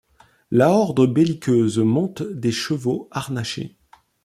La horde belliqueuse monte des chevaux harnachés.